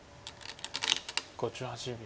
５８秒。